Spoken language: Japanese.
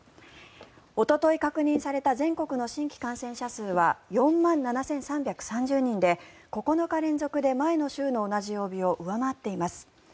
おととい確認された全国の新規感染者数は４万７３３０人で９日連続で前の週の同じ曜日を上回っています。